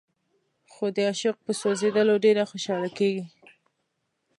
خو د عاشق په سوځېدلو ډېره خوشاله کېږي.